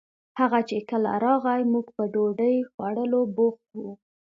هغه چې کله راغئ موږ په ډوډۍ خوړولو بوخت وو